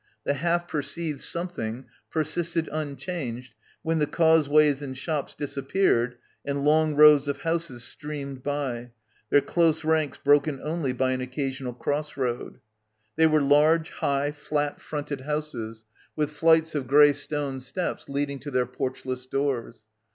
The half perceived something persisted unchanged when the causeways and shops disap peared and long rows of houses streamed by, their close ranks broken only by an occasional cross road. They were large, high, flat fronted houses with flights of grey stone steps leading to their porchless doors.